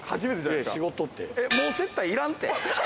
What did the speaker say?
もう接待いらんって。